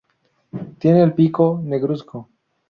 Tiene el pico negruzco.